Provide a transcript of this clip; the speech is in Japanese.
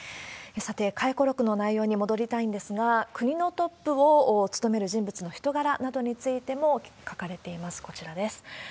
さて、回顧録の内容に戻りたいんですが、国のトップを務める人物の人柄などについても書かれています、こちらです。